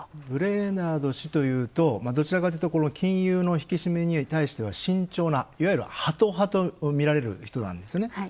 ブレイナード氏というと、どちらかというと金融の引き締めに対しては慎重ないわゆるハト派とみられる人なんですね。